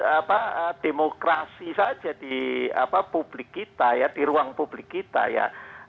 apa demokrasi saja di publik kita ya di ruang publik kita ya